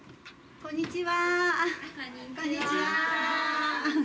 こんにちは。